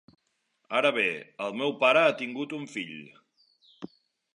Ara bé; el meu pare ha tingut un fill.